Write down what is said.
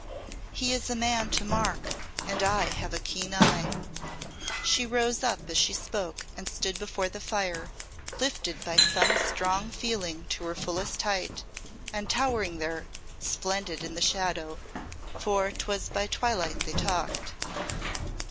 "He is a man to mark, and I have a keen eye." She rose up as she spoke, and stood before the fire, lifted by some strong feeling to her fullest height, and towering there, splendid in the shadow for 'twas by twilight they talked.